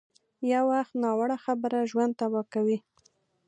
یو وخت ناوړه خبره ژوند تباه کوي.